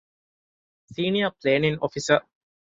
ސީނިއަރ ޕްލޭނިންގ އޮފިސަރ